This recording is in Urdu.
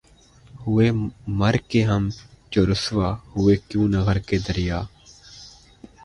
ہوئے مر کے ہم جو رسوا ہوئے کیوں نہ غرق دریا